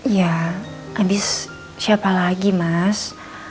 ya habis siapa lagi mas